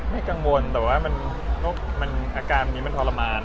ไม่กังวลแต่ว่าอาการนี้มันทรมาน